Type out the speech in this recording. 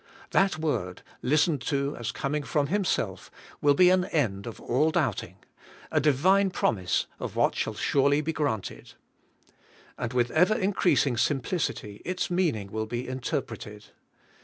That word, listened to as com ing from Himself, will be an end of all doubting, — a Divine promise of what shall surely be granted. And with ever increasing simplicity its meaning will be interpreted.